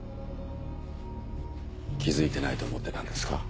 気付いてないと思ってたんですか？